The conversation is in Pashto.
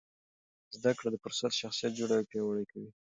زده کړه د فرد شخصیت جوړوي او پیاوړی کوي.